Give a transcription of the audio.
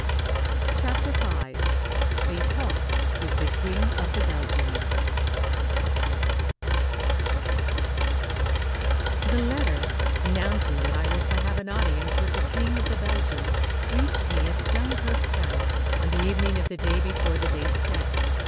CHAPTER V A TALK WITH THE KING OF THE BELGIANS The letter announcing that I was to have an audience with the King of the Belgians reached me at Dunkirk, France, on the evening of the day before the date set.